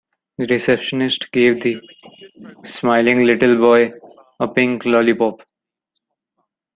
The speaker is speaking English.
The receptionist gave the smiling little boy a pink lollipop.